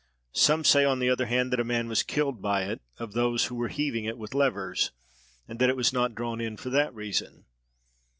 Some say on the other hand that a man was killed by it, of those who were heaving it with levers, and that it was not drawn in for that reason.